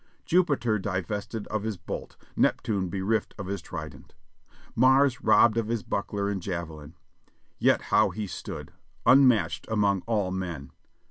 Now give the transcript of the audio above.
Jupiter divested of his bolt. Neptune bereft of his trident, Mars robbed of his buckler and javelin — yet how he stood, unmatched among all men.